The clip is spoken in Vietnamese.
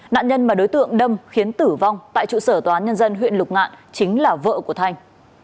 nạn nhân mà đối tượng đâm khiến tử vong tại trụ sở tòa án nhân dân huyện lục ngạn chính là vợ của thanh